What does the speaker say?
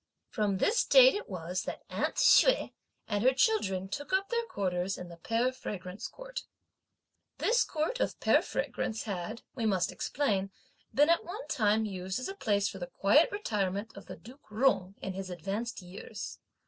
From this date it was that "aunt" Hsüeh and her children took up their quarters in the Pear Fragrance Court. This Court of Pear Fragrance had, we must explain, been at one time used as a place for the quiet retirement of the Duke Jung in his advanced years.